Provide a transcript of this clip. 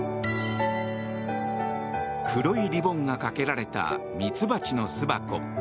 黒いリボンがかけられたミツバチの巣箱。